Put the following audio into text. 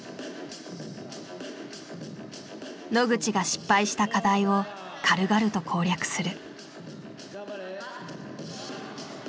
野口が失敗した課題を軽々と攻略する。